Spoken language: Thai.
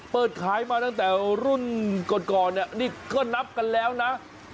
เปิดขายมาตั้งแต่รุ่นก่อนเนี่ยนี่ก็นับกันแล้วนะ